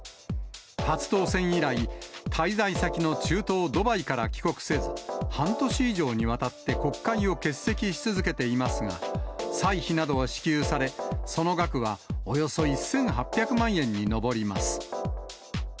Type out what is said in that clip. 初当選以来、滞在先の中東ドバイから帰国せず、半年以上にわたって国会を欠席し続けていますが、歳費などは支給され、その額はおよそ１８００万円に上ります。